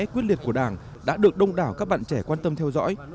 quyết liệt của đảng đã được đông đảo các bạn trẻ quan tâm theo dõi